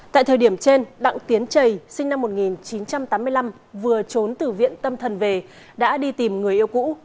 tại thời điểm trên đặng tiến trầy sinh năm một nghìn chín trăm tám mươi năm vừa trốn từ viện tâm thần về đã đi tìm người yêu cũ